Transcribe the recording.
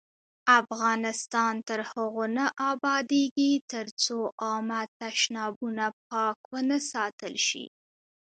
افغانستان تر هغو نه ابادیږي، ترڅو عامه تشنابونه پاک ونه ساتل شي.